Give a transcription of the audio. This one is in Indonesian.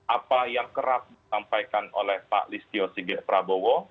apa yang kerap disampaikan oleh pak listio sigit prabowo